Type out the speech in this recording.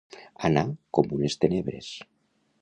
Anar com unes tenebres.